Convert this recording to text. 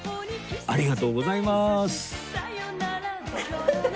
ありがとうございます！